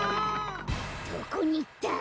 どこにいった！？